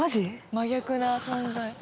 真逆な存在。